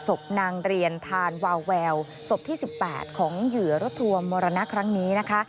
ศพนางเรียนทานวาวแววศพที่๑๘ของเหยื่อรถทัวร์มมรณะครั้งนี้นะคะ